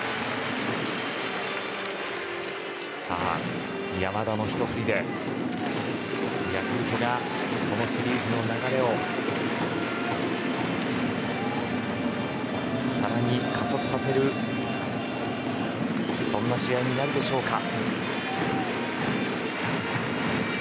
さあ、山田の一振りでヤクルトがこのシリーズの流れをさらに加速させるそんな試合になるでしょうか。